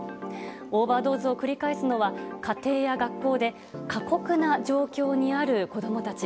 オーバードーズを繰り返すのは家庭や学校で過酷な状況にある子供たち。